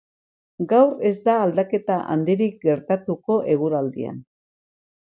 Gaur ez da aldaketa handirik gertatuko eguraldian.